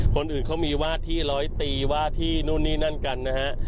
คนอื่นเขามีวาดที่ร้อยตีว่าที่นู่นนี่นั่นกันนะฮะ